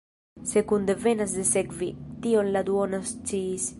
Sekunde venas de sekvi, tion la duono sciis.